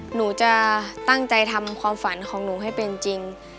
หนูจะตั้งใจทำความฝันของหนูให้เป็นจริง